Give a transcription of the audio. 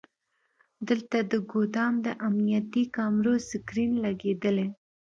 دلته د ګودام د امنیتي کامرو سکرین لګیدلی.